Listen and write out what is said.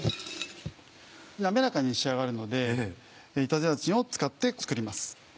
滑らかに仕上がるので板ゼラチンを使って作ります。